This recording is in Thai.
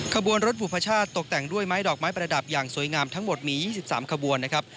ขบวนรถบุพชาติตกแต่งด้วยไม้ดอกไม้ประดับอย่างสวยงามทั้งหมดมี๒๓ขบวนนะครับ